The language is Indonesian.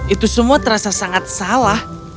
itu semua terasa sangat salah